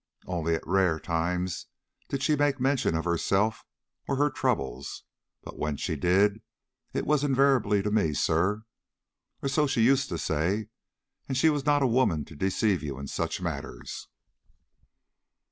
Only at rare times did she make mention of herself or her troubles: but when she did, it was invariably to me, sir or so she used to say; and she was not a woman to deceive you in such matters."